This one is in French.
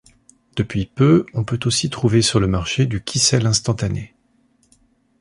Depuis peu, on peut trouver sur le marché du kissel instantané.